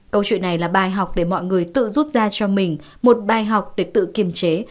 câu chuyện này là bài học để mọi người tự rút ra cho mình một bài học để tự kiềm chế